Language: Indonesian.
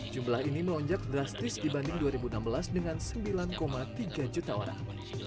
jumlah ini melonjak drastis dibanding dua ribu enam belas dengan sembilan tiga juta orang